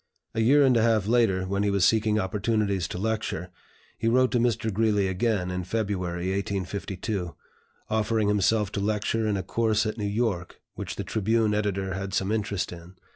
A year and a half later, when he was seeking opportunities to lecture, he wrote to Mr. Greeley again, in February, 1852, offering himself to lecture in a course at New York, which the "Tribune" editor had some interest in.